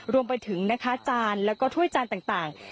รวมไปถึงนะคะจานแล้วก็ถ้วยจานต่าง